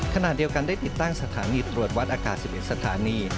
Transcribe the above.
ขณะเดียวกันได้ติดตั้งสถานีตรวจวัดอากาศ๑๑สถานี